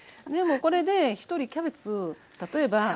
でもこれで１人キャベツ例えば。